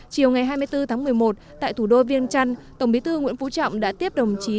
chiều ngày hai mươi bốn tháng một mươi một tại thủ đô viên trăn tổng bí thư nguyễn phú trọng đã tiếp đồng chí